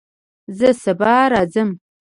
زه سبا راځم